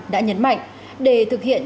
đã nhấn mạnh để thực hiện